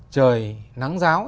trời nắng giáo